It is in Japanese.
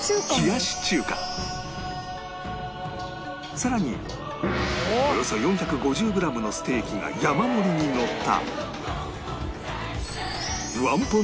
更におよそ４５０グラムのステーキが山盛りにのった